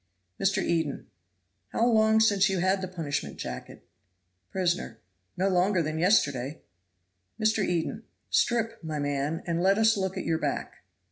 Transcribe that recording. Mr. Eden. "How long since you had the punishment jacket?" Prisoner. "No longer than yesterday." Mr. Eden. "Strip, my man, and let us look at your back."